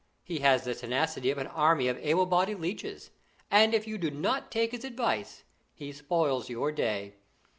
He has the tenacity of an army of able bodied leeches, and if you do not take his advice he spoils your day.